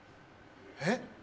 えっ？